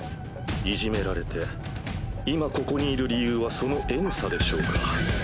虐められて今ここにいる理由はその怨嗟でしょうか？